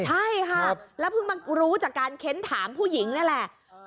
ใช่ค่ะแล้วเพิ่งมารู้จากการเค้นถามผู้หญิงนี่แหละ